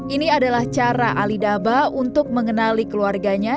ini adalah cara ali daba untuk mengenali keluarganya